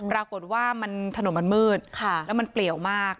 ปรากฏว่าถนนมันมืดแล้วมันเปลี่ยวมาก